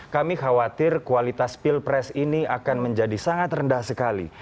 kami khawatir kualitas pilpres ini akan menjadi sangat rendah sekali